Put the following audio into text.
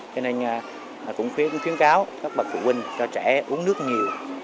cho nên cũng khuyến kháo các bà phụ huynh cho trẻ uống nước nhiều